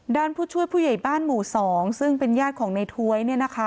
ผู้ช่วยผู้ใหญ่บ้านหมู่๒ซึ่งเป็นญาติของในถ้วย